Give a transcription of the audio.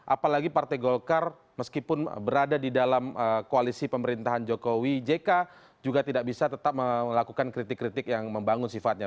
apalagi partai golkar meskipun berada di dalam koalisi pemerintahan jokowi jk juga tidak bisa tetap melakukan kritik kritik yang membangun sifatnya